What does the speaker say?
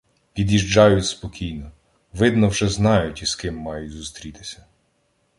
Під'їжджають спокійно, видно, вже знають, із ким мають зустрітися.